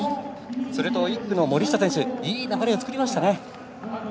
それと１区の森下選手いい流れを作りましたね。